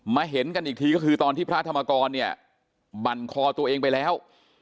เห็นกันอีกทีก็คือตอนที่พระธรรมกรเนี่ยบั่นคอตัวเองไปแล้ว